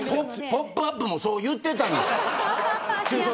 ポップＵＰ！もそう言ってたんです。